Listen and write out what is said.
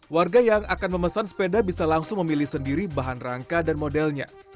warga yang akan memesan sepeda bisa langsung memilih sendiri bahan rangka dan modelnya